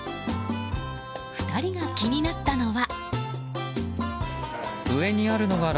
２人が気になったのは。